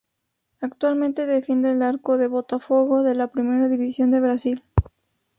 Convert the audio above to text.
Actualmente defiende el arco de Botafogo en la primera división de Brasil.